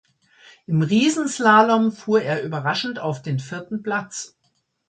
Im Riesenslalom fuhr er überraschend auf den vierten Platz.